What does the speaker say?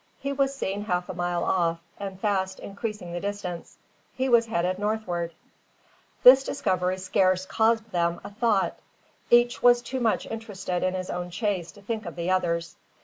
He was seen half a mile off, and fast increasing the distance. He was heading northward. This discovery scarce caused them a thought. Each was too much interested in his own chase to think of the others.